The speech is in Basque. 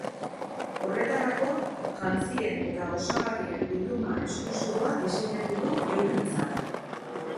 Horretarako, jantzien eta osagarrien bilduma esklusiboa diseinatu du eurentzat.